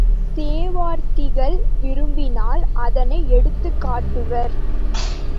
சேவார்த்திகள் விரும்பினால் அதனை எடுத்துக் காட்டுவர்.